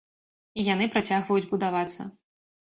І яны працягваюць будавацца.